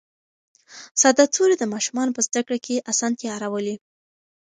ساده توري د ماشومانو په زده کړه کې اسانتیا راولي